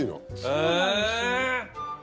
そうなんですね。